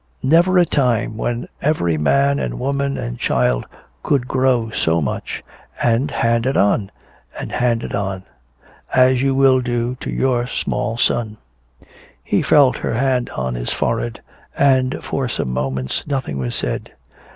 Never a time when every man and woman and child could grow so much and hand it on and hand it on as you will do to your small son." He felt her hand on his forehead, and for some moments nothing was said.